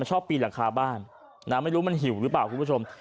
ชอบปีนหลังคาบ้านนะไม่รู้มันหิวหรือเปล่าคุณผู้ชม